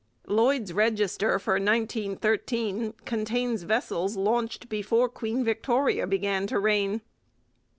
Lloyd's register for 1913 contains vessels launched before Queen Victoria began to reign.